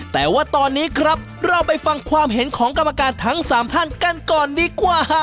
แต่ว่าตอนนี้ครับเราไปฟังความเห็นของกรรมการทั้ง๓ท่านกันก่อนดีกว่า